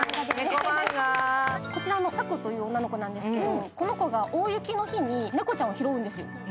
こちらの幸来という女の子なんですけどこの子が大雪の日に子猫を拾うんですよ。